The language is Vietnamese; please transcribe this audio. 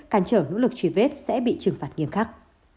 cản trở nỗ lực truy vết sẽ bị trừng phạt nghiêm khắc